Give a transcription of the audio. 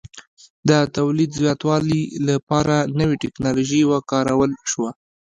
د تولید زیاتوالي لپاره نوې ټکنالوژي وکارول شوه